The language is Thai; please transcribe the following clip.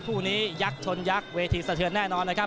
คู่นี้ยักษ์ชนยักษ์เวทีสะเทือนแน่นอนนะครับ